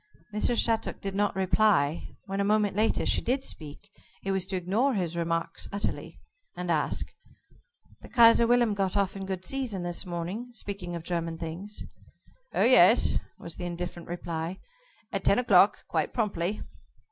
Mrs. Shattuck did not reply. When a moment later, she did speak it was to ignore his remark utterly, and ask: "The Kaiser Wilhelm got off in good season this morning speaking of German things?" "Oh, yes," was the indifferent reply, "at ten o'clock, quite promptly."